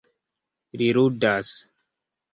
Li ludas.